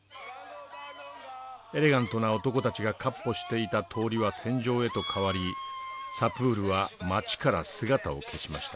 エレガントな男たちが闊歩していた通りは戦場へと変わりサプールは街から姿を消しました。